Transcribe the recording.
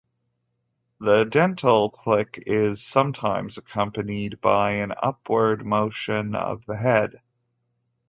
The dental click is sometimes accompanied by an upward motion of the head.